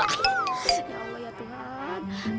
ya allah ya tuhan